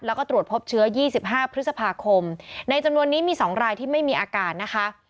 แล้วก็ตรวจพบเชื้อ๒๕พฤษภาคมในจำนวนนี้มี๒รายที่ไม่มีอาการนะคะ